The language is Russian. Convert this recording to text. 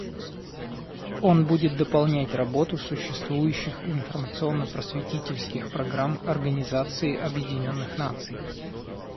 Он будет дополнять работу существующих информационно-просветительских программ Организации Объединенных Наций.